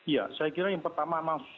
ya saya kira yang pertama memang supply